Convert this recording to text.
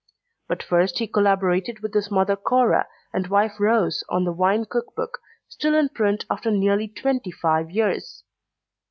But first he collaborated with his mother Cora and wife Rose on The Wine Cookbook, still in print after nearly twenty five years.